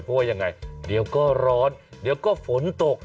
เพราะว่ายังไงเดี๋ยวก็ร้อนเดี๋ยวก็ฝนตก